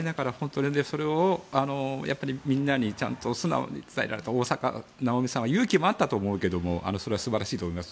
それをみんなにちゃんと伝えられた大坂なおみさんは勇気もあったと思うけれどそれは素晴らしいと思います。